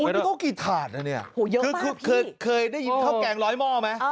อุ้ยนี่ก็กี่ถาดอ่ะเนี่ยเคยได้ยินข้าวแกงร้อยหม้อมั้ย